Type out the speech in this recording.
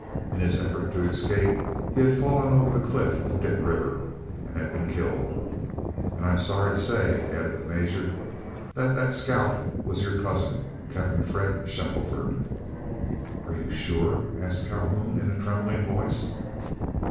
In his effort to escape he had fallen over the cliff of Dick River, and been killed. "And I am sorry to say," added the Major, "that that scout was your cousin, Captain Fred Shackelford." "Are you sure?" asked Calhoun, in a trembling voice.